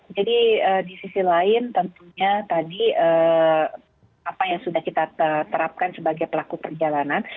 jadi di sisi lain tentunya tadi apa yang sudah kita terapkan sebagai pelaku perjalanan